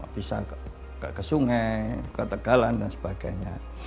bisa nggak ke sungai ke tegalan dan sebagainya